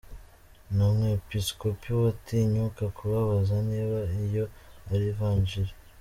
Nta mwepiskopi watinyuka kubabaza niba iyo ari Ivanjili.